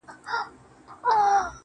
• ه زه د دوو مئينو زړو بړاس يمه.